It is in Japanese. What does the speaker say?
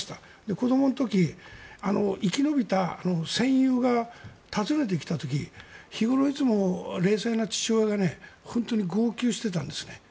子どもの時生き延びた戦友が訪ねてきた時日頃いつも冷静な父親が本当に号泣していたんです。